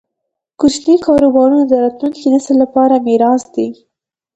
کوچني کاروبارونه د راتلونکي نسل لپاره میراث دی.